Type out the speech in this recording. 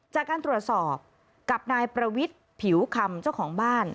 จากการตรวจสอบกับนายประวิทย์ผิวคำเจ้าของบ้าน